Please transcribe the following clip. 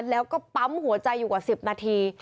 แล้วก็ปั๊มหัวใจอยู่กว่า๑๐นาที